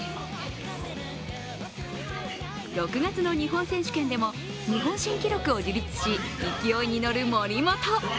６月の日本選手権でも日本新記録を樹立し、勢いに乗る森本。